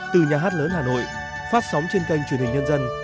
từ nhà hát lớn hà nội phát sóng trên kênh truyền hình nhân dân